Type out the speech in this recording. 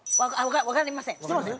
わかりません。